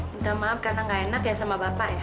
minta maaf karena gak enak ya sama bapak ya